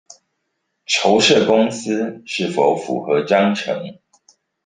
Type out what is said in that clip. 籌設公司是否符合章程